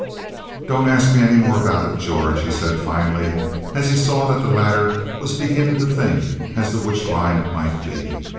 "Don't ask me any more about it, George," he said, finally, as he saw that the latter was beginning to think as to which line it might be.